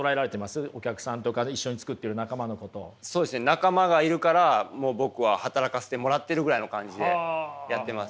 仲間がいるからもう僕は働かせてもらってるぐらいの感じでやってます。